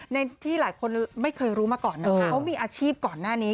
ในที่หลายคนไม่เคยรู้มาก่อนนะคะเขามีอาชีพก่อนหน้านี้